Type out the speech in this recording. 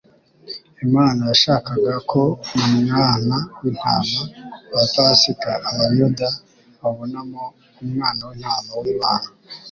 Imana yashakaga ko mu Mwana w'intama ya Pasika abayuda babonamo Umwana w'intama w'Imana,